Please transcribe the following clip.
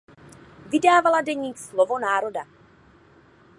Vydávala deník Slovo národa.